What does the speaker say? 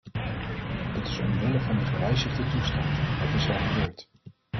Dit is omwille van de gewijzigde toestand, het is al gebeurd.